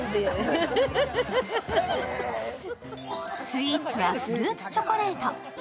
スイーツはフルーツチョコレート。